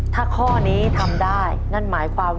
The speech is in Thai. ถ้าข้อนี้ทำได้นั่นหมายความว่า